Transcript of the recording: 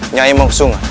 nyai mau ke sungai